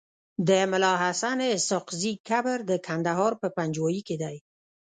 د ملاحسناسحاقزی قبر دکندهار په پنجوايي کیدی